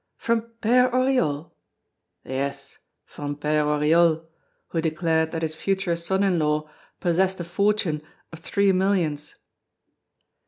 "From Père Oriol?" "Yes, from Père Oriol, who declared that his future son in law possessed a fortune of three millions."